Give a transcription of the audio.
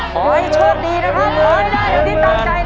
ขอให้โชคดีนะครับขอให้ได้อย่างที่ตั้งใจนะ